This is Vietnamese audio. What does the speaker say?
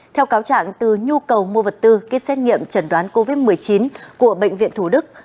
theo cáo trạng từ nhu cầu mua vật tư kết xét nghiệm chẩn đoán covid một mươi chín của bệnh viện thủ đức